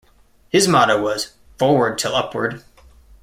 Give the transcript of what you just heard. His motto was Forward 'Till Upward.